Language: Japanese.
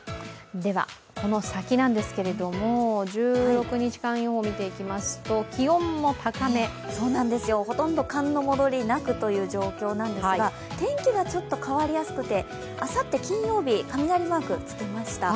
この先なんですけども、１６日間予報を見ていきますと、ほとんど寒の戻りなくという状況なんですが、天気はちょっと変わりやすくて、あさって金曜日、雷マークがつきました。